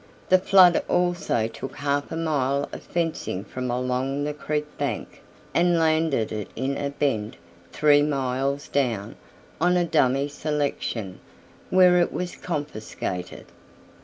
The flood also took half a mile of fencing from along the creek bank, and landed it in a bend, three miles down, on a dummy selection, where it was confiscated.